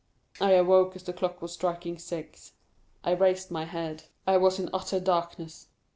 0243m "I awoke as the clock was striking six. I raised my head; I was in utter darkness.